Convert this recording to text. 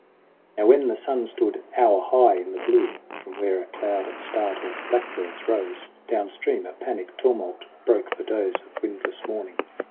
Now when the sun stood hour high in the blue, From where a cloud of startled blackbirds rose Down stream, a panic tumult broke the doze Of windless morning.